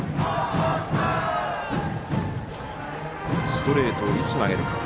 ストレートをいつ投げるか。